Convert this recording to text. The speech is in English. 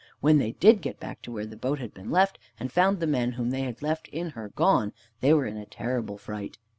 When they did get back to where the boat had been left, and found the men whom they had left in her gone, they were in a terrible fright.